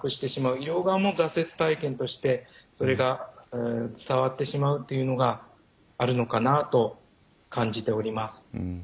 医療側の挫折体験としてそれが伝わってしまうというのがあるのかなと感じております。